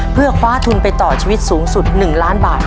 เพื่อคว้าทุนไปต่อชีวิตสูงสุด๑ล้านบาท